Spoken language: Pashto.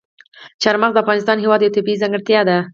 چار مغز د افغانستان هېواد یوه طبیعي ځانګړتیا ده.